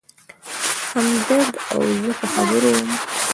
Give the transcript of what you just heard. همدرد او زه په خبرو و.